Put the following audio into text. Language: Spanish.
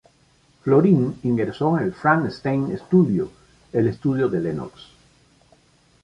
Florin ingreso en Frank Stein Studio, el estudio de Lenox.